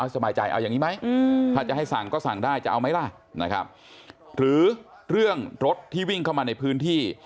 สั่งก็สั่งได้จะเอาไหมล่ะหรือเรื่องรถที่วิ่งเข้ามาในพื้นที่